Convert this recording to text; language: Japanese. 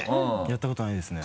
やったことないですね。